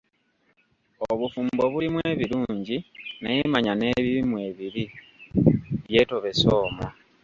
Obufumbo bulimu ebirungi naye manya n'ebibi mwebiri, byetobese omwo.